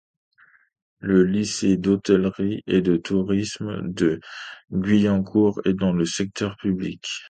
Le lycée d'hôtellerie et de tourisme de Guyancourt est dans le secteur Public.